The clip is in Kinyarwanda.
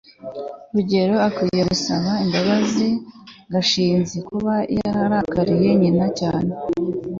rugeyo akwiye gusaba imbabazi gashinzi kuba yarakariye nyina cyane